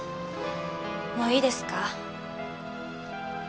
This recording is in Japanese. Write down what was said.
もういいですか？